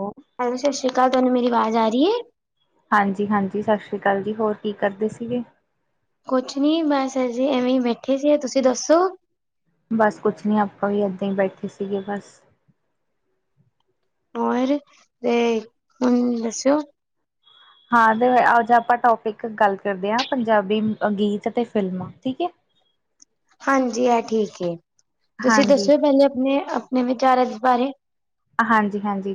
ਔ। ਹੈਲੋ ਸਤਿ ਸ੍ਰੀ ਕਾਲ ਤੁਆਨੂੰ ਮੇਰੀ ਆਵਾਜ਼ ਆ ਰੀ ਏ। ਹਾਂਜੀ-ਹਾਂਜੀ ਸਤਿ ਸ਼੍ਰੀ ਕਾਲ ਜੀ ਹੋਰ ਕੀ ਕਰਦੇ ਸੀਗੇ? ਕੁਛ ਨੀ ਬਸ ਅਸੀ ਐਵੇਂ ਈ ਬੈਠੇ ਸੀ ਤੁਸੀਂ ਦੱਸੋ? ਬਸ ਕੁਛ ਨੀ ਆਪਾਂ ਵੀ ਐਦਾਂ ਈ ਬੈਠੇ ਸੀਗੇ ਬਸ। ਹੋਰ ਤੇ ਹੁਨ ਦੱਸਓ। ਹਾਂ ਤੇ ਅੱਜ ਆਪਾਂ ਟੋਪਿਕ ਗੱਲ ਕਰਦੇ ਆਂ ਪੰਜਾਬੀ ਗੀਤ ਤੇ ਫਿਲਮਾਂ ਠੀਕ ਏ। ਹਾਂਜੀ ਆ ਠੀਕ ਏ, ਤੁਸੀਂ ਹਾਂਜੀ ਦੱਸੋ ਭੈਨ ਜੀ, ਅਪਣੇ-ਅਪਣੇ ਵਿਚਾਰ ਇਸ ਬਾਰੇ। ਹਾਂਜੀ-ਹਾਂਜੀ।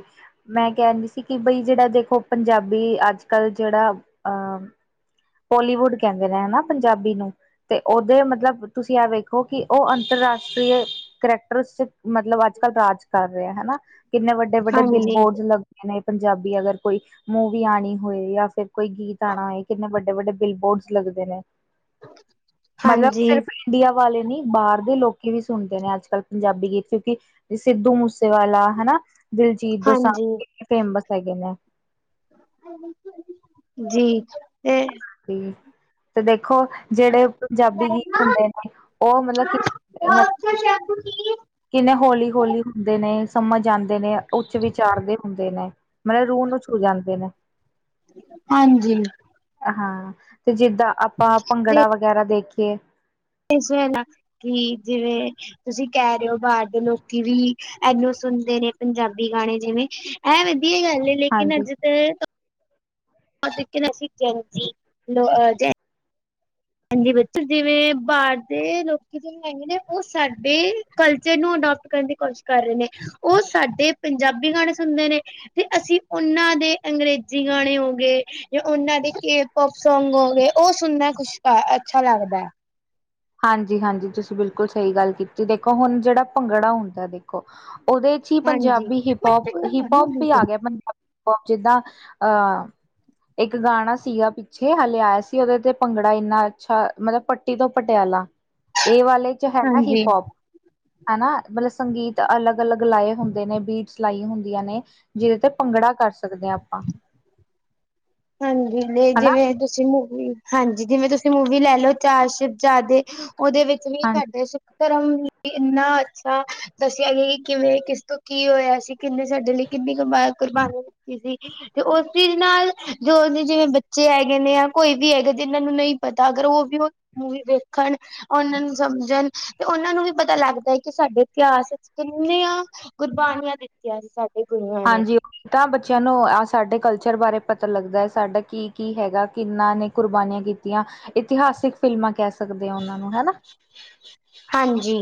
ਮੈਂ ਕਹਿਦੀ ਸੀ ਕਿ ਬਈ ਜਿਹੜਾ ਦੇਖੋ, ਪੰਜਾਬੀ ਅੱਜ-ਕੱਲ ਜਿਹੜਾ ਅਹ ਬੋਲੀਵੁੱਡ ਕਹਿੰਦੇ ਨੇ ਹਨਾ, ਪੰਜਾਬੀ ਨੂੰ। ਤੇ, ਉਹਦੇ ਮਤਲਬ ਤੁਸੀਂ ਆ ਵੇਖੋ ਕਿ ਓਹ ਅੰਤਰਰਾਸ਼ਟਰੀਯ ਕਰੈਕਟਰ'ਚ, ਮਤਲਬ ਅੱਜ-ਕੱਲ ਰਾਜ ਕਰ ਰਿਹਾ ਹਨਾ, ਕਿੰਨੇ ਵੱਡੇ ਵੱਡੇ-ਵੱਡੇ ਹਾਂਜੀ ਬਿਲਬੋਰਡ ਲੱਗਦੇ ਨੇ, ਪੰਜਾਬੀ ਅਗਰ ਕੋਈ ਮੂਵੀ ਆਣੀ ਹੋਏ, ਯਾ ਫੇਰ ਕੋਈ ਗੀਤ ਆਣਾ ਹੋਏ, ਕਿੰਨੇ ਵੱਡੇ-ਵੱਡੇ ਬਿਲਬੋਰਡਸ ਲੱਗਦੇ ਨੇ, ਮਤਲਬ ਹਾਂਜੀ ਸਿਰਫ ਇੰਡੀਆ ਵਾਲੇ ਨੀ ਬਾਹਰ ਦੇ ਲੋਕੀ ਵੀ ਸੁਣਦੇ ਨੇ ਅੱਜ-ਕੱਲ ਪੰਜਾਬੀ ਗੀਤ, ਕਿਉਂਕਿ ਸਿੱਧੂ ਮੂਸੇਵਾਲਾ ਹਨਾ, ਦਿਲਜੀਤ ਦੋਸਾਂਝ ਹਾਂਜੀ ਏ ਵੀ ਫੇਮਸ ਹੈਗੇ ਨੇ। ਜੀ, ਤੇ ਤੇ, ਤੇ ਦੇਖੋ ਜਿਹੜੇ ਪੰਜਾਬੀ ਗੀਤ ਹੁੰਦੇ ਨੇ, ਉਹ ਮਤਲਬ ਕਿ, ਮਤਲਬ ਕਿੰਨੇ ਹੌਲੀ-ਹੌਲੀ ਹੁੰਦੇ ਨੇ, ਸਮਝ ਆਂਦੇ ਨੇ ਉੱਚ ਵਿਚਾਰ ਦੇ ਹੁੰਦੇ ਨੇ, ਮਤਲਬ ਰੂਹ ਨੂੰ ਛੂ ਜਾਂਦੇ ਨੇ। ਹਾਂਜੀ। ਹਾਂ, ਤੇ ਜਿੱਦਾਂ ਆਪਾਂ ਤੇ ਭੰਗੜਾ ਵਗੈਰਾ ਦੇਖੀਏ ਇਸ ਵੇਲਾ, ਕਿ ਜਿਵੇਂ ਤੁਸੀਂ ਕਹਿ ਰਹੇ ਓ, ਬਾਹਰ ਦੇ ਲੋਕੀ ਵੀ ਇਹਨੂੰ ਸੁਣਦੇ ਨੇ ਪੰਜਾਬੀ ਗਾਣੇ ਜਿਵੇਂ, ਐ ਵਧੀਆ ਗੱਲ ਏ, ਲੇਕਿਨ ਹਾਂਜੀ ਅੱਜ ਤੇ ਪੜ ਲਿਖਕੇ ਨਾ ਅਸੀ, ਜੰ ਜੀ ਲੋ, ਜੈ ਹਾਂਜੀ ਬੱਚੇ, ਜਿਵੇਂ ਬਾਹਰ ਦੇ ਲੋਕੀ ਜਿੜੇ ਹੈਗੇ ਨੇ, ਓਹ ਸਾਡੇ ਕਲਚਰ ਨੂੰ ਅਡੋਪਟ ਕਰਨ ਦੀ ਕੋਸ਼ਿਸ਼ ਕਰ ਰਹੇ ਨੇ, ਓਹ ਸਾਡੇ ਪੰਜਾਬੀ ਗਾਣੇ ਸੁਣਦੇ ਨੇ ਤੇ ਅਸੀਂ ਉਹਨਾਂ ਦੇ ਅੰਗਰੇਜ਼ੀ ਗਾਣੇ ਹੋਗੇ ਓਹਨਾਂ ਦੇ ਏ ਪੋਪ ਸੌੰਗ ਹੋਗੇ, ਓਹ ਸੁਣਨਾ ਕੁਛ ਅੱਛਾ ਲੱਗਦੈ। ਹਾਂਜੀ-ਹਾਂਜੀ, ਤੁਸੀਂ ਬਿਲਕੁਲ ਸਹੀ ਗੱਲ ਕੀਤੀ, ਦੇਖੋ ਹੁਣ ਜਿਹੜਾ ਭੰਗੜਾ ਹੁੰਦਾ ਦੇਖੋ, ਓਹਦੇ ਹੀ ਹਾਂਜੀ ਪੰਜਾਬੀ ਹਿਪ-ਹੌਪ, ਹਿਪ-ਹੌਪ ਵੀ ਆਗਿਆ ਪੰਜਾਬੀ ਹਿਪ-ਹੌਪ ਜਿੱਦਾਂ, ਅਹ ਇੱਕ ਗਾਣਾ ਸੀਗਾ ਪਿੱਛੇ ਹਲੇੇ ਆਇਆ ਸੀ, ਓਹਦੇ ਤੇ ਭੰਗੜਾ ਇੰਨਾ ਅੱਛਾ, ਮਤਲਬ ਪੱਟੀ ਤੋ ਪਟਿਆਲਾ, ਇਹ ਵਾਲੇ'ਚ ਹੈਗਾ ਹਾਂਜੀ ਹਿਪ-ਹੌਪ। ਹੈਨਾ, ਮਤਲਬ ਸੰਗੀਤ ਅਲੱਗ-ਅਲੱਗ ਲਾਏ ਹੁੰਦੇ ਨੇ, ਬੀਟਸ ਲਾਈ ਹੁੰਦੀਆਂ ਨੇ। ਜਿਹਦੇ ਤੇ ਭੰਗੜਾ ਕਰ ਸਕਦੇ ਆ, ਆਪਾਂ। ਹਾਂਜੀ, ਲੇ ਹਨਾ ਜਿਵੇਂ ਤੁਸੀਂ ਮੂ ਹਾਂਜੀ, ਜਿਵੇਂ ਤੁਸੀਂ ਮੂਵੀ ਲੈਲੋ, ਚਾਰ ਸ਼ੀਵਜ਼ਾਦੇ ਓਹਦੇ ਵਿੱਚ ਵੀ ਹਾਂਜੀ ਸਾਡੇ ਧਰਮ ਲਈ ਇੰਨਾ ਅੱਛਾ ਦੱਸਿਆ ਗਿਆ ਕਿ, ਕਿਵੇਂ, ਕਿਸ ਤੋਂ ਕੀ ਹੋਇਆ ਸੀ, ਕਿੰਨੇ ਸਾਡੇ ਲਈ ਕਿੰਨੀ ਕਬਾ, ਕੁਰਬਾਨੀ ਦਿੱਤੀ ਸੀ, ਤੇ ਓਸ ਚੀਜ਼ ਨਾਲ ਜੋ ਓਹਦੇ ਜਿਵੇਂ ਬੱਚੇ ਹੈਗੇ ਨੇ, ਯਾ ਕੋਈ ਵੀ ਹੈਗਾ ਜਿਨਾਂ ਨੂੰ ਨਹੀਂ ਪਤਾ ਅਗਰ ਓਹ ਵੀ ਮੂਵੀ ਵੇਖਣ ਓਹਨਾਂ ਨੂੰ ਸਮਝਣ, ਤੇ ਓਹਨਾਂ ਨੂੰ ਵੀ ਪਤਾ ਲੱਗਦਾ ਏ, ਕਿ ਸਾਡੇ ਇਤਿਹਾਸ ਵਿੱਚ ਕਿੰਨੀਆਂ ਕੂਰਬਾਨੀਆਂ ਦਿੱਤੀਆਂ ਸੀ, ਸਾਡ ਹਾਂਜੀ, ਓ ਤਾਂ ਬੱਚਿਆਂ ਨੂੰ ਆਹ ਸਾਡੇ ਕਲਚਰ ਬਾਰੇ ਪਤਾ ਲੱਗਦਾ ਏ, ਸਾਡਾ ਕੀ-ਕੀ ਹੈਗਾ, ਕਿੰਨਾ ਨੇ ਕੁਰਬਾਨੀਆਂ ਕੀਤੀਆਂ, ਇਤਿਹਾਸਿਕ ਫਿਲਮਾਂ ਕਹਿ ਸਕਦੇ ਆ ਉਹਨਾਂ ਨੂੰ, ਹੈਨਾ। ਹਾਂਜੀ,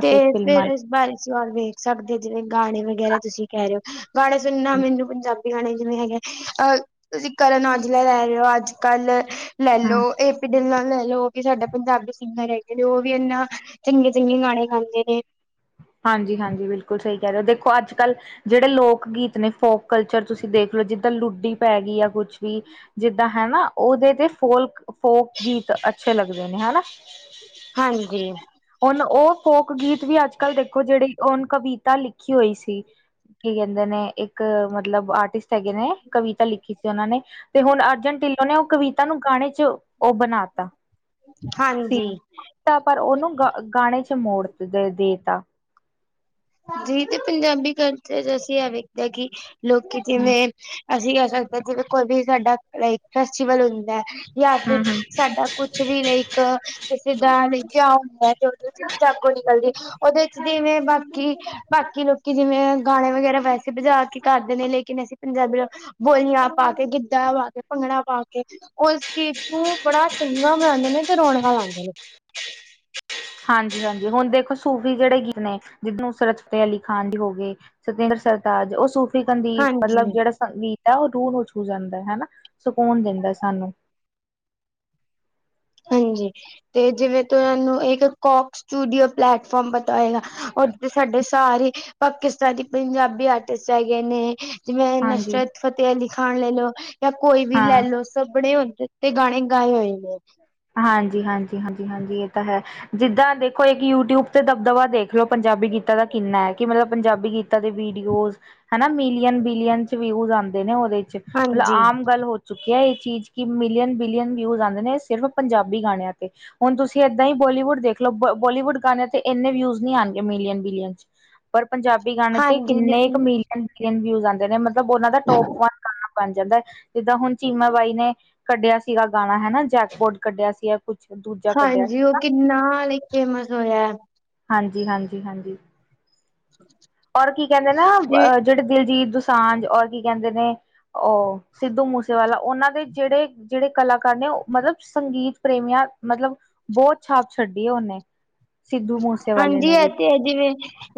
ਤੇ ਫਿਰ ਫਿਲਮਾਂ ਇਸ ਬਾਰੇ ਤੁਸੀਂ ਹੋਰ ਵੇਖ ਸਕਦੇ ਓ ਜਿਵੇਂ, ਗਾਣੇ ਵਗੈਰਾ ਤੁਸੀਂ ਕਹਿ ਰਹੇ ਓ, ਗਾਣੇ ਸੁਣਨਾ ਮੀਂਨੂੰ ਪੰਜਾਬੀ ਗਾਣੇ ਜਿਵੇਂ ਹੈਗੇ, ਅਹ ਤੁਸੀਂ ਕਰਨ ਔਜਲਾ ਲੈ ਰਹੇ ਓ, ਅੱਜ-ਕੱਲ ਲੈਲੋ, ਹਮ ਇਹ ਦਿਲ ਨਾਲ ਲੈਲੋ, ਉਹ ਵੀ ਸਾਡਾ ਪੰਜਾਬੀ ਸਿੰਗਰ ਹੈਗੇ ਨੇ, ਉਹ ਵੀ ਇੰਨਾ ਚੰਗੇ-ਚੰਗੇ ਗਾਣੇ ਗਾਂਦੇ ਨੇ। ਹਾਂਜੀ-ਹਾਂਜੀ, ਬਿਲਕੁਲ ਸਈ ਕੈ ਰੇਓ ਦੇਖੋ, ਅੱਜ ਕੱਲ ਜੇੜੇ ਲੋਕ ਗੀਤ ਨੇ ਫੋਕ ਕਲਚਰ ਤੁਸੀਂ ਦੇਖ ਲਓ, ਜਿੱਦਾਂ ਲੁੱਡੀ ਪੈ ਗਈ ਆ ਕੁਛ ਵੀ ਜਿੱਦਾਂ ਹਨਾ, ਓਦੇ ਤੇ ਫੋਲਕ ਫੋਕ ਗੀਤ ਅੱਛੇ ਲੱਗਦੇ ਨੇ, ਹੈਨਾ। ਹਾਂਜੀ ਹੁਨ ਓ ਫੋਕ ਗੀਤ ਵੀ ਅੱਜ-ਕੱਲ ਦੇਖੋ, ਜੇੜੀ ਹੁਨ ਕਵਿਤਾ ਲਿਖੀ ਹੋਈ ਸੀ ਕੀ ਕੈਂਦੇ ਨੇ ਇੱਕ ਮਤਲਬ ਆਰਟਿਸਟ ਹੈਗੇ ਨੇ, ਕਵਿਤਾ ਲਿਖੀ ਸੀ ਓਨਾਂ ਨੇ ਤੇ ਹੁਣ ਅਰਜਨ ਢਿੱਲੋਂ ਨੇ ਓ ਕਵਿਤਾ ਨੂੰ ਗਾਣੇ ਚ ਓ ਬਣਾ ਤਾ। ਹਾਂਜੀ। ਤਾ ਪਰ ਓਨੂੰ ਗ ਗਾਣੇ ਚ ਮੋੜ ਦੇ ਦੇਤਾ। ਜੀ ਤੇ ਪੰਜਾਬੀ ਕਲਚਰ ਅਸੀਂ ਐ ਵੇਖਦੇ ਆਂ, ਕਿ ਲੋਕੀ ਹੂੰ ਜਿਵੇਂ ਅਸੀਂ ਕੈ ਸਕਦੇ ਆਂ ਜਿਵੇਂ ਕੋਈ ਵੀ ਸਾਡਾ ਲਾਇਕ ਫੈਸਟੀਵਲ ਹੁੰਦਾ ਹੈ ਯਾਂ ਹੂੰ ਫਿਰ ਹੂੰ ਸਾਡਾ ਕੁਛ ਵੀ ਲਾਇਕ ਜਿੱਦਾਂ ਕੀ ਵਿਯਾ ਹੁੰਦਾ ਤੇ ਓਥੈ ਨਾਂ ਜਾਗੋ ਨਿਕਲਦੀ ਏ ਓਦੇ ਚ ਜਿਵੇਂ ਬ ਕਿ ਬਾਕੀ ਲੋਕੀ ਜਿਵੇਂ ਗਾਣੇ ਵਗੈਰਾ ਵੈਸੇ ਵਜਾ ਕੇ ਕਰਦੇ ਨੇ, ਲੇਕਿਨ ਅਸੀਂ ਪੰਜਾਬੀ ਬੋਲੀਆਂ ਪਾ ਕੇ, ਗਿੱਧਾ ਪਾ ਕੇ, ਭੰਗੜਾ ਪਾ ਕੇ ਓਸ ਚੀਤ ਨੂੰ ਬੜਾ ਚੰਗਾ ਮਨਾਂਦੇ ਨੇ, ਤੇ ਰੌਣਕਾਂ ਲਾਂਦੇ ਨੇ। ਹਾਂਜੀ-ਹਾਂਜੀ ਹੁਣ ਦੇਖੋ ਸੂਫ਼ੀ ਜੇੜੇ ਗੀਤ ਨੇ ਜਿਨੂੰ ਨੁਸਰਤ ਫਤਿਹ ਅਲੀ ਖਾਨ ਜੀ ਹੋ ਗੇ ਸਤਿੰਦਰ ਸਰਤਾਜ ਓ ਸੂ ਦੀ ਮਤਲਬ ਹਾਂਜੀ ਜੇੜਾ ਸੰਗੀਤ ਐ ਓ ਰੂਹ ਨੂੰ ਛੂ ਜਾਂਦੈ ਹੈਨਾ, ਸਕੂਨ ਦਿੰਦੈ ਸਾਨੂੰ। ਹਾਂਜੀ, ਤੇ ਜਿਵੇਂ ਤੁਆਨੂੰ ਇੱਕ ਕੋਕਸ ਸਟੂਡੀਓ ਪਲੈਟਫਾਰਮ ਪਤਾ ਹੋਏਗਾ, ਓਥ ਸਾਡੇ ਸਾਰੇ ਪਾਕਿਸਤਾਨੀ ਪੰਜਾਬੀ ਆਰਟਿਸਟ ਚਾਈਏ ਨੇ। ਜਿਵੇਂ ਹਾਂਜੀ ਨੂੰਸ਼ਰਤ ਫਟਤੇ ਖਾਣ ਲੈਲੋ ਜਾਂ ਕੋਈ ਵੀ ਹਾਂ। ਲੈਲੋ। ਸਭਣੇ ਓਦੇ ਤੇ ਗਾਣੇ ਗਾਏ ਹੋਏ ਨੇ। ਹਾਂਜੀ, ਹਾਂਜੀ, ਹਾਂਜੀ-ਹਾਂਜੀ, ਏ ਤਾਂ ਹੈ। ਜਿੱਦਾਂ ਦੇਖੋ ਇੱਕ ਯੂਟਿਊਬ ਤੇ ਦਬਦਬਾ ਦੇਖ ਲੋ, ਪੰਜਾਬੀ ਗੀਤਾਂ ਦਾ ਕਿੰਨਾ ਹੈ ਕਿ ਮਤਲਬ ਪੰਜਾਬੀ ਗੀਤ- ਦੇ ਵੀਡੀਓਜ਼ ਹੈਨਾ, ਮਿਲੀਅਨ-ਬਿਲੀਅਨ ਚ ਵਿਊਜ਼ ਆਉਂਦੇ ਨੇ ਓਦੇ ਚ। ਮਤਲਬ ਹਾਂਜੀ ਆਮ ਗੱਲ ਹੋ ਚੁੱਕੀ ਐ ਏਹ ਚੀਜ ਕਿ ਮਿਲੀਅਨ-ਬਿਲੀਅਨ ਵਿਊਜ਼ ਆਂਦੇ ਨੇ। ਸਿਰਫ ਪੰਜਾਬੀ ਗਾਣੇਆਂ ਤੇ। ਹੁਣ ਤੁਸੀਂ ਏਦਾਂ ਹੀ ਬੋਲੀਵੁੱਡ ਦੇਖ ਲੋ, ਬੋਲੀਵੁੱਡ ਗਾਂਣੇਆਂ ਤੇ ਇੰਨੇ ਵਿਊਜ਼ੀ ਆਣਗੇ ਮਿਲੀਅਨ, ਬਿਲੀਅਨ। [inaudible] ਪਰ ਪੰਜਾਬੀ ਗਾਣੇ ਤੇ ਹਾਂਜੀ ਕਿੰਨੇ ਕੁ ਲੇਕਿਨ ਮਿਲੀਅਨ ਬੀਲੀਅਨ ਵਿਊ ਆਂਦੇ ਨੇ ਮਤਲਬ ਓਨਾਂ ਦਾ ਟੋਪ ਵਨ ਗਾਣਾ ਬਣ ਜਾਂਦਾ ਜਿੱਦਾਂ ਹੁਣ ਚੀਮਾ ਬਾਈ ਨੇ ਕੱਢਿਆ ਸੀਗਾ ਗਾਣਾ ਹੈਨਾ, ਜੈਕਬੋਰਡ ਕੱਢਿਆ ਸੀਗਾ। ਕੁਛ ਦੂਜਾ ਕੱਢਿਆ ਹਾਂਜੀ, ਓ ਸੀਗਾ ਕਿੰਨਾ ਲਈ ਫੇਮਸ ਹੋਆ। ਹਾਂਜੀ-ਹਾਂਜੀ-ਹਾਂਜੀ, ਔਰ ਕੀ ਕੈਂਦੇ ਨਾ ਤੇ ਆ ਜੇੜੇ ਦਿਲਜੀਤ ਦੁਸਾਂਝ ਔਰ ਕੀ ਕੈਂਦੇ ਨੇ ਓ ਸਿੱਧੂ ਮੂਸੇਵਾਲਾ ਓਨਾਂ ਦੇ ਜੇੜੇ-ਜੇੜੇ ਕਲਾਕਾਰ ਨੇ ਓ ਮਤਲਬ ਸੰਗੀਤ ਪ੍ਰੇਮੀਆਂ ਮਤਲਬ ਬੋਤ ਛਾਪ ਛੱਡੀ ਐ ਓਨੇ। ਹਾਂਜੀ, ਐ ਤੇ ਹੈ ਜਿਵੇਂ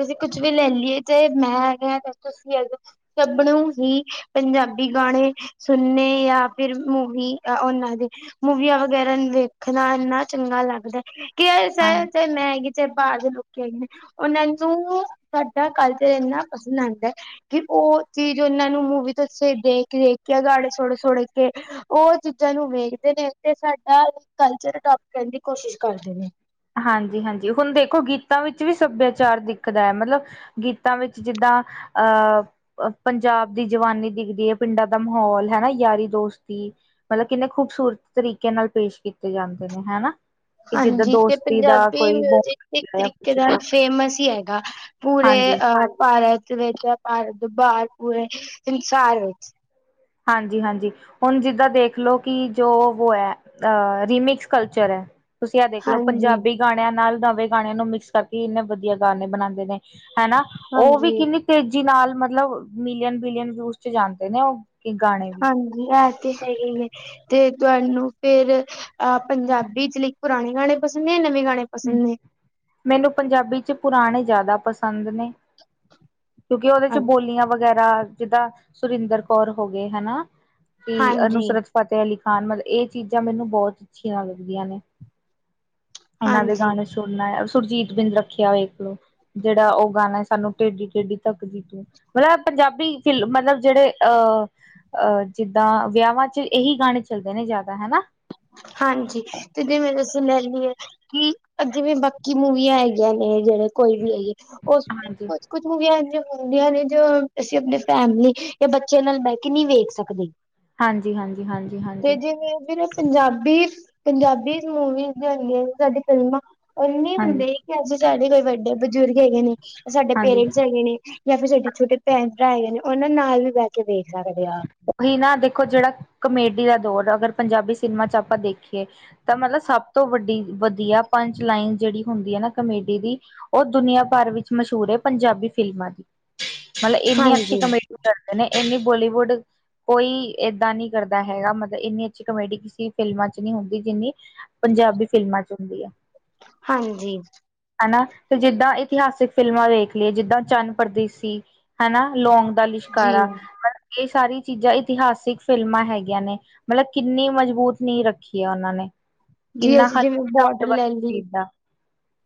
ਅਸੀਂ ਕੁਛ ਵੀ ਲੈ ਲਈਏ ਚਾਏ ਮੈਂ ਹੈਗਾ, ਤੁਸੀਂ ਹੈਗੇ ਸਭ ਨੂੰ ਹੀ ਪੰਜਾਬੀ ਗਾਣੇ ਸੁਣਨੇ ਯਾਂ ਫਿਰ ਮੂਵੀ ਓਨਾਂ ਦੇ ਮੂਵੀਆਂ ਵਗੈਰਾ ਵੇਖਣਾ ਏਨਾ ਚੰਗਾ ਲੱਗਦਾ ਕਿ ਹਾਂ ਤੇ ਮੈਂ [unintelligible] ਚਾਏ ਬਾਰ ਦੇ ਲੋਕ ਆ ਨੇ, ਓਨਾਂ ਨੂੰ ਸਾਡਾ ਕਲਚਰ ਏਨਾ ਪਸੰਦ ਆਂਦੈ ਕਿ ਉਹ ਚੀਜ਼ ਉਹਨਾਂ ਨੂੰ ਮੂਵੀ ਤੋਂ ਦੇਖ ਦੇਖ ਕੇ ਗਾਣੇ ਸੁਣ- ਸੁਣ ਕੇ ਉਹ ਚੀਜ਼ਾਂ ਨੂੰ ਵੇਖਦੇ ਨੇ ਤੇ ਸਾਡਾ ਕਲਚਰ ਅਡੋਪਟ ਕਰਨ ਦੀ ਕੋਸ਼ਿਸ਼ ਕਰਦੇ ਨੇ। ਹਾਂਜੀ- ਹਾਂਜੀ ਹੁਣ ਦੇਖੋ ਗੀਤਾਂ ਵਿੱਚ ਵੀ ਸੱਭਿਆਚਾਰ ਦਿਖਦਾ ਐ, ਮਤਲਬ ਗੀਤਾਂ ਵਿੱਚ ਜਿੱਦਾਂ ਅਹ ਪੰਜਾਬ ਦੀ ਜਵਾਨੀ ਦਿਖਦੀ ਹੈ, ਪਿੰਡਾਂ ਦਾ ਮਾਹੌਲ ਹਨਾ, ਯਾਰੀ ਦੋਸਤੀ। ਮਤਲਬ ਕਿੰਨੇ ਖੂਬਸੂਰਤ ਤਰੀਕੇ ਨਾਲ ਪੇਸ਼ ਕੀਤੇ ਜਾਂਦੇ ਨੇ ਹੈਨਾ। ਹਾਂਜੀ ਤੇ ਪੰਜਾਬੀ ਮਿਊਜਿਕ ਬੋਂਡ ਜਾਂ ਤਰੀਕੇ ਇਕ ਕੁਛ ਦਾ ਵੀ ਫੇਮਸ ਹੀ ਹੈਗਾ, ਪੂਰੇ ਹਾਂਜੀ ਅ ਭਾਰਤ ਵਿੱਚ ਭਾਰਤ ਦੇ ਬਾਹਰ ਪੂਰੇ ਸੰਸਾਰ ਵਿੱਚ। ਹਾਂਜੀ- ਹਾਂਜੀ ਹੁਣ ਜਿੱਦਾਂ ਦੇਖ ਲਓ ਕਿ ਜੋ ਵੋ ਐ ਅਹ ਰੀਮਿਕਸ ਕਲਚਰ ਐ। ਤੁਸੀਂ ਆਹ ਦੇਖ ਲਓ ਹਾਂਜੀ। ਪੰਜਾਬੀ ਗਾਣਿਆਂ ਨਾਲ ਨਵੇਂ ਗਾਣਿਆਂ ਨੂੰ ਮਿਕਸ ਕਰਕੇ ਇੰਨੇ ਵਧੀਆ ਗਾਣੇ ਬਣਾਦੇ ਨੇ, ਹਨਾ ਉਹ ਵੀ ਹਾਂਜੀ, ਕਿੰਨੀ ਤੇਜ਼ੀ ਨਾਲ ਮਤਲਬ ਮਿਲੀਅਨ -ਬਿਲੀਅਨ ਵਿਊਜ਼ ਚ ਜਾਂਦੇ ਨੇ ਉਹ ਕਿ ਗਾਣੇ। ਵੀ ਹਾਂਜੀ ਆ ਤੇ ਹੈ ਹੀ ਨੇ। ਤੇ ਤੁਹਾਨੂੰ ਫੇਰ ਅਹ ਪੰਜਾਬੀ ਚ ਲਈ ਪੁਰਾਣੇ ਗਾਣੇ ਪਸੰਦ ਨੇ, ਨਵੇਂ ਗਾਣੇ ਪਸੰਦ ਨੇ? ਮੈਨੂੰ ਪੰਜਾਬੀ ਚ ਪੁਰਾਣੇ ਜ਼ਿਆਦਾ ਪਸੰਦ ਨੇ। ਕਿਉਂਕਿ ਉਹਦੇ ਚ ਬੋਲੀਆਂ ਵਗੈਰਾ, ਜਿੱਦਾਂ ਸੁਰਿੰਦਰ ਕੌਰ ਹੋ ਗਏ ਹਨਾ ਤੇ ਹਾਂਜੀ, ਅਨੁਸਰਤ ਫਤਿਹ ਅਲੀ ਖਾਨ ਮਤਲਬ ਇਹ ਚੀਜ਼ਾਂ ਮੈਨੂੰ ਬਹੁਤ ਅੱਛੀਆਂ ਲੱਗਦੀਆਂ ਨੇ। ਇਹਨਾਂ ਦੇ ਹਾਂਜੀ। ਗਾਣੇ ਸੁ ਣਨਾ, ਸੁਰਜੀਤ ਬਿੰਦ ਰੱਖਿਆ ਵੇਖ ਲੌ ਜਿਹੜਾ ਉਹ ਗਾਣਾ ਸਾਨੂੰ ਟੇਢੀ -ਟੇਡੀ ਤੱਕ ਦੀ ਤੂੰ। ਮਤਲਬ ਏ ਪੰਜਾਬੀ ਫਿਲਮ ਮਤਲਬ ਜਿਹੜੇ ਅਹ ਅਹ ਜਿੱਦਾਂ ਵਿਆਹਾਂ ਚ ਇਹੀ ਗਾਣੇ ਚੱਲਦੇ ਨੇ ਜ਼ਿਆਦਾ ਹਨਾ। ਹਾਂਜੀ ਤੇ ਜਿਵੇਂ ਸੁਨੈਲੀ ਏ ਕੀ ਜਿਵੇਂ ਬਾਕੀ ਮੂਵੀਆਂ ਹੈਗੀਆਂ ਨੇ ਜਿਹੜੇ ਕੋਈ ਵੀ ਹੈਗੀ, ਉਹ ਸੁਣ ਲੈ ਹਾਂਜੀ ਕੁਝ ਕੁਛ ਮੂਵੀਆਂ ਏਹੋ ਜਿਹੀਆਂ ਹੁੰਦੀਆਂ ਨੇ ਜੋ, ਅਸੀਂ ਆਪਣੀ ਫੈਮਿਲੀ ਜਾਂ ਬੱਚਿਆਂ ਨਾਲ ਬਹਿ ਕੇ ਨਹੀਂ ਵੇਖ ਸਕਦੇ। ਹਾਂਜੀ ਹਾਂਜੀ ਹਾਂਜੀ ਤੇ ਹਾਂਜੀ ਜਿਵੇਂ ਫਿਰ ਪੰਜਾਬੀ- ਪੰਜਾਬੀ ਮੂਵੀਜ਼ ਦੀ ਹੁੰਦੀ ਆ ਸਾਡੀ ਫਿਲਮਾਂ, ਇੰਨੀ ਹਾਂਜੀ ਹੁੰਦੇ ਅਸੀਂ ਸਾਡੇ ਕੋਈ ਵੱਡੇ ਬਜ਼ੁਰਗ ਹੈਗੇ ਨੇ, ਸਾਡੇ ਹਾਂਜੀ ਪੇਰੈਂਟਸ ਹੈਗੇ ਨੇ, ਜਾਂ ਫਿਰ ਸਾਡੇ ਛੋਟੇ ਭੈਣ- ਭਰਾ ਹੈਗੇ ਨੇ, ਉਹਨਾਂ ਨਾਲ ਵੀ ਬਹਿ ਕੇ ਦੇੇਖ ਸਕਦੇ ਆ। ਉਹੀ ਨਾ ਦੇਖੋ ਜਿਹੜਾ ਕਮੇਡੀ ਦਾ ਦੌਰ ਅਗਰ ਪੰਜਾਬੀ ਸਿਨੇਮਾ ਚਚ ਆਪਾਂ ਦੇਖੀਏ ਤਾਂ ਮਤਲਬ ਸਭ ਤੋਂ ਵੱਡੀ ਵਧੀਆ ਪੰਜ ਲਾਈਨ ਜਿਹੜੀ ਹੁੰਦੀ ਹੈ ਨਾ ਕਮੇਡੀ ਦੀ, ਉਹ ਦੁਨੀਆਂ ਭਰ ਵਿੱਚ ਮਸ਼ਹੂਰ ਹੈ ਪੰਜਾਬੀ ਫਿਲਮਾਂ ਦੀ। ਮਤਲਬ ਏਨੀ ਅੱਛੀ ਹਾਂਜੀ ਕਮੇਡੀ ਕਰਦੇ ਨੇ, ਏਨੀ ਬੋਲੀਵੁੱਡ ਕੋਈ ਏਦਾਂ ਨੀ ਕਰਦਾ ਹੈਗਾ ਮਤਲਬ ਏਨੀ ਅੱਛੀ ਕਾਮੇਡੀ ਕਿਸੇ ਫਿਲਮਾਂ ਚ ਨਹੀਂ ਹੁੰਦੀ, ਜਿੰਨੀ ਪੰਜਾਬੀ ਫਿਲਮਾਂ ਚ ਹੁੰਦੀ ਐ। ਹਾਂਜੀ। ਹਨਾ ਤੇ ਜਿੱਦਾਂ ਇਤਿਹਾਸਿਕ ਫਿਲਮਾਂ ਵੇਖ ਲਈਏ, ਜਿੱਦਾਂ ਚੰਦ ਪ੍ਰਦੇਸੀ, ਹਨਾ ਲੌਂਗ ਦਾ ਜੀ ਲਿਸ਼ਕਾਰਾ। ਮਤਲਬ ਇਹ ਸਾਰੀ ਚੀਜ਼ਾਂ ਇਤਿਹਾਸਿਕ ਫਿਲਮਾਂ ਹੈਗੀਆਂ ਨੇ, ਮਤਲਬ ਕਿੰਨੀ ਮਜ਼ਬੂਤ ਨੀਂਹ ਰੱਖੀ ਹੈ ਓਨਾਂ ਨੇ। ਜੀ ਕਿੰਨਾ ਅਸੀਂ ਜਿਵੇਂ ਹਲਕੀ ਸ਼ਬਦ ਬੋਟਲ ਲੈ ਵਰਤੀ ਲਈ, ਦਾ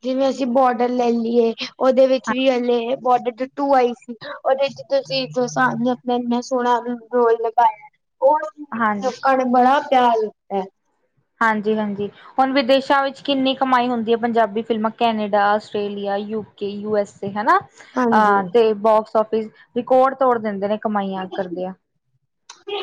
ਜਿਵੇਂ ਅਸੀਂ ਬੋਟਲ ਲੈ ਲਈਏ, ਉਹਦੇ ਵਿੱਚ ਵੀ ਹਲੇ ਬੋਟਲ ਟੂ ਆਈ ਸੀ, ਉਹਦੇ ਚ ਤੁਸੀਂ ਸ ਆਪਣਾ ਇੰਨਾ ਸੋਹਣਾ ਰੋਲ ਲਗਾਇਆ। ਹਾਂਜੀ' ਭਾਵੇ ਬੜਾ ਪਿਆਰ ਲੱਗਦਾ ਏ ਹਾਂਜੀ ਹਾਂਜੀ ਹੁਨ ਵਿਦੇਸ਼ਾਂ ਵਿੱਚ ਕਿੰਨੀ ਕਮਾਈ ਹੁੰਦੀ ਆ ਪੰਜਾਬੀ ਫਿਲਮਾਂ Canada Australia UK U S A ਹੈਨਾ ਹਾਂ ਹਾਂਜੀ ਤੇ ਬੋਕਸ ਔਫਿਸ ਰਿਕੋੜ ਤੋੜ ਦਿੰਦੇ ਨੇ ਕਮਾਈਆਂ ਕਰਦੇਆਂ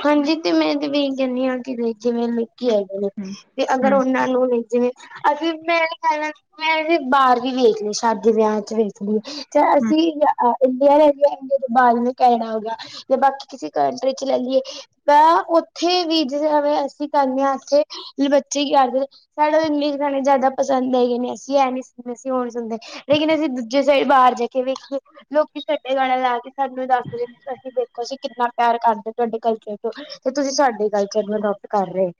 ਹਾਂਜੀ ਤੇ ਮੈਂ ਤੇ ਵੀ ਏਹੀ ਕਹਿੰਨੀ ਆ ਕਿ ਜਿਵੇਂ [unintelligible] ਜਾ ਹੂੰ। ਤੇ ਅਗਰ ਹੂੰ-ਹੂੰ ਉਹਨਾਂ ਲੋਨ ਏ ਲਈ ਜਿਵੇਂ ਅਸੀਂ ਮੈਂ ਕਹਿਨਾ ਮੈਂ ਵੀ ਬਾਹਰ ਵੀ ਵੇਖ ਨੀ ਸਕਦੀ ਵਿਆਹ 'ਚ ਵੇਖ ਲਈਏ। -ਚ ਅਸੀਂ, ਅ ਇੰਡੀਆ ਰਹਿ ਗਿਆ ਇੰਡੀ ਤੋਂ ਬਾਅਦ ਵੀ ਕੈਨੇਡਾ ਹੋਗਿਆ ਤੇ ਬਾਕੀ ਕਿਸੇ ਕੰਟਰੀ ਲੈ ਲਈਏ ਤਾਂ ਉੱਥੇ ਵੀ ਜੇ ਅਸੀਂ ਕਹਿੰਦੇ ਹਾਂ ਇੱਥੇ ਬੱਚੇ ਕੀ ਕਰਦੇ ਨੇ ਸਾਡਾ ਇੰਗਲਿਸ਼ ਗਾਨੇਜ਼ਿਆਦਾ ਪਸੰਦ ਹੈਗੇ ਨੇ। ਅਸੀਂ ਐ ਨੀ ਸੁਨਦੇ, ਅਸੀਂ ਓ ਨੀ ਸੁਨਦੇ ਲੇਕਿਨ ਅਸੀਂ ਦੂਜੇ ਸਾਈਡ ਬਾਹਰ ਜਾ ਕੇ ਵੇਖੀਏ ਲੋਕੀ ਸਾਡੇ ਗਾਨੇ ਲਾ ਕੇ ਸਾਨੂੰ ਦੱਸ ਰਹੇ, ਅਸੀਂ ਦੇਖੋ ਜੀ ਕਿੰਨਾ ਪਿਆਰ ਕਰਦੇ ਤੁਹਾਡੇ ਕਲਚਰ ਤੋਂ ਤੇ ਤੁਸੀਂ ਸਾਡੇ ਕਲਚਰ ਨੂੰ ਅਡੋਪਟ ਕਰ ਰਹੇ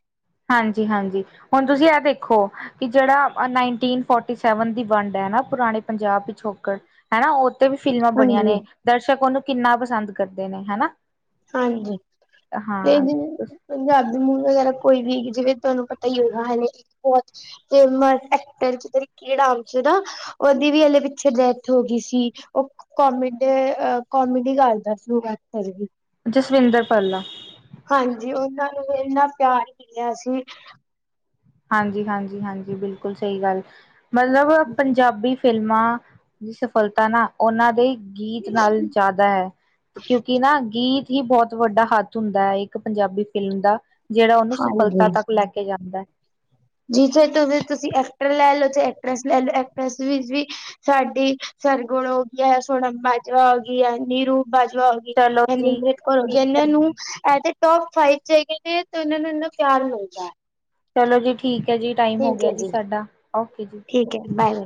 ਹਾਂਜੀ-ਹਾਂਜੀ। ਹੁਨ ਤੁਸੀਂ ਐ ਦੇਖੋ ਕਿ ਜੇਹੜਾ ਨਾਈਨਟੀਨ ਫੋਰਟੀ-ਸੈਵਨ ਦੀ ਵੰਡ ਐ ਨਾ ਪੁਰਾਣੇ ਪੰਜਾਬ ਪਿਛੋਕੜ ਹੈਨਾ ਓ ਤੇ ਵੀ ਫਿਲਮਾਂ ਬਨੀਆਂ ਹਾਂਜੀ, ਨੇ। ਦਰਸ਼ਕ ਉਹਨੂੰ ਕਿੰਨਾ ਪਸੰਦ ਕਰਦੇ ਨੇ, ਹੈਨਾ ਹਾਂਜੀ, ਤੇ ਪੰਜਾਬੀ ਮੂਵੀ ਵਗੈਰਾ ਕੋਈ ਵੀ, ਜਿਵੇਂ ਤੁਹਾਨੂੰ ਪਤਾ ਈ ਹੋਵੇਗਾ ਹਾਲੇ ਫੇਮਸ [unintelligible] ਉਹਦੀ ਵੀ ਹਲੇ ਪਿੱਛੇ ਡੈਥ ਹੋ ਗਈ ਸੀ, ਓ ਕੋਮੇਡ ਅ ਕੋਮੇਡੀ ਕਰਦਾ ਸੀ [unintelligible] ਜਸਵਿੰਦਰ ਭੱਲਾ। ਹਾਂਜੀ, ਉਹਨਾਂ ਨੂੰ ਇੰਨ੍ਹਾਂ ਪਿਆਰ ਮਿਲਿਆ ਸੀ ਹਾਂਜੀ-ਹਾਂਜੀ-ਹਾਂਜੀ, ਬਿਲਕੁਲ ਸਹੀ ਗੱਲ, ਮਤਲਬ ਪੰਜਾਬੀ ਫਿਲਮਾਂ ਦੀ ਸਫਲਤਾ ਨਾ, ਉਹਨਾਂ ਦੇ ਗੀਤ ਨਾਲ ਜ਼ਿਆਦਾ ਐ ਕਿਉਂਕਿ ਨਾ ਗੀਤ ਹੀ ਬਹੁਤ ਵੱਡਾ ਹੱਥ ਹੁੰਦਾ ਹੈ ਇੱਕ ਪੰਜਾਬੀ ਫਿਲਮ ਦਾ, ਜਿਹੜਾ ਉਹਨੂੰ ਸਫ਼ਲਤਾ ਤੱਕ ਲੈ ਕੇ ਜਾਂਦਾ ਜਿੱਥੇਂ ਤੁਸੀਂ-ਤੁਸੀਂ ਐਕਟਰ ਲੈ ਲੋ ਚਾਹੇ ਐਕਟਰੈਸ ਲੈ ਲੋ, ਐਕਟਰੈਸ ਵਿੱਚ ਵੀ ਸਾਡੀ ਸਰਗੁਣ ਹੋ ਗਈ ਐ ਸੋਨਾਮ ਬਾਜਵਾ ਹੋ ਗਈ ਐ ਨੀਰੂ ਬਾਜਵਾ ਹੋ ਚਲੋ ਐ ਜੀ ਨਿਮਰਤ ਕੋਰ ਠੀਕ ਜਿਹਨਾਂ ਹੈ ਨੂੰ ਜੀ ਐ ਤੇ ਟੋਪ ਫਾਈਵ'ਚ ਹੈਗੇ ਨੇ, ਤੇ ਉਹਨਾਂ ਨੂੰ ਇੰਨਾ ਪਿਆਰ ਮਿਲਦਾ ਐ ਚਲੋ ਜੀ, ਠੀਕ ਹੈ ਜੀ। ਟਾਈਮ ਹੋ ਗਿਆ ਜੀ ਸਾਡਾ। ਓਕੇ ਜੀ। ਠੀਕ ਏ, ਬਾਏ।